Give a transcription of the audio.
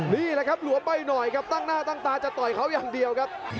นี่แหละครับหลวมไปหน่อยครับตั้งหน้าตั้งตาจะต่อยเขาอย่างเดียวครับ